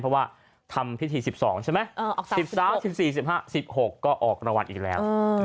เพราะว่าทำพิธี๑๒ใช่ไหม๑๓๑๔๑๕๑๖ก็ออกรางวัลอีกแล้ว